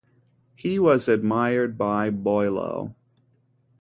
He was admired by Boileau.